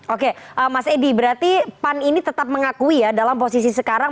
oke mas edi berarti pan ini tetap mengakui ya dalam posisi sekarang